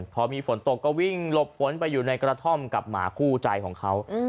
พอมีฝนตกก็วิ่งหลบฝนไปอยู่ในกระท่อมกับหมาคู่ใจของเขา